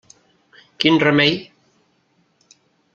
Quin remei!